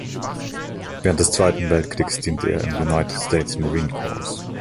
Während des Zweiten Weltkriegs diente er im United States Marine Corps.